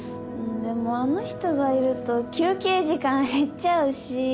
でもあの人がいると休憩時間減っちゃうし。